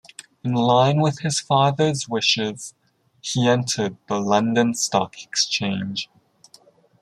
In line with his father's wishes, he entered the London Stock Exchange.